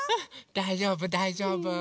だいじょうぶだいじょうぶ。